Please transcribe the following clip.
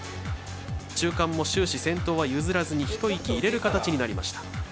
先頭は譲らずに一息入れる形になりました。